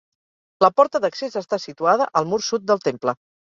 La porta d'accés està situada al mur sud del temple.